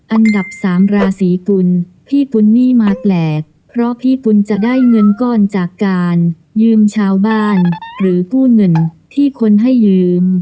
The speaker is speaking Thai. อันดับสามราศีกุลพี่กุลนี่มาแปลกเพราะพี่กุลจะได้เงินก้อนจากการยืมชาวบ้านหรือกู้เงินที่คนให้ยืม